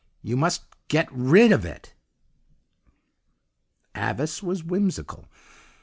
You must GET RID of it.' "Avice was whimsical.